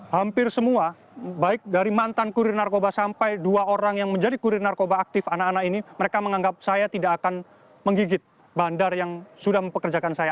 hampir semua baik dari mantan kurir narkoba sampai dua orang yang menjadi kurir narkoba aktif anak anak ini mereka menganggap saya tidak akan menggigit bandar yang sudah mempekerjakan saya